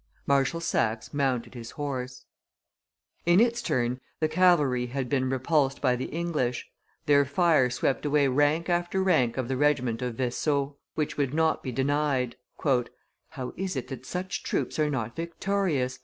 Marshal Saxe mounted his horse. [Illustration: Battle of Fontenoy 157] In its turn, the cavalry had been repulsed by the English; their fire swept away rank after rank of the regiment of Vaisseaux, which would not be denied. "How is it that such troops are not victorious?"